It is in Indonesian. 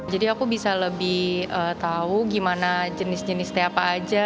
jadi aku bisa lebih tahu gimana jenis jenis teh apa aja